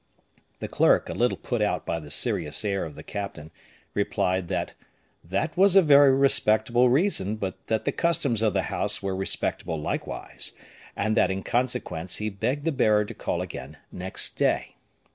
The clerk, a little put out by the serious air of the captain, replied, that "that was a very respectable reason, but that the customs of the house were respectable likewise; and that, in consequence, he begged the bearer to call again next day."